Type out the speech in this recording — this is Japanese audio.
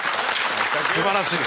すばらしい。